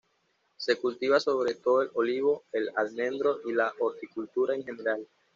Se cultiva sobre todo el olivo, el almendro, y la horticultura en general.